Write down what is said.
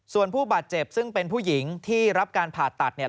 ส่วนผู้บาดเจ็บซึ่งเป็นผู้หญิงที่รับการผ่าตัดเนี่ย